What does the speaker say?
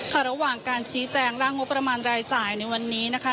ระหว่างการชี้แจงร่างงบประมาณรายจ่ายในวันนี้นะคะ